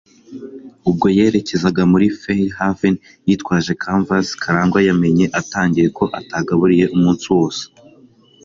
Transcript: Ubwo yerekezaga muri Fairhaven yitwaje canvas, Karangwa yamenye atangiye ko atagaburiye umunsi wose.